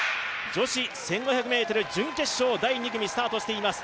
女子１５００ｍ準決勝第２組スタートしています。